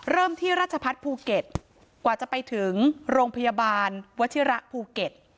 เริ่มที่ราชพัฒน์ภูเก็ตกว่าจะไปถึงโรงพยาบาลวัชิระภูเก็ต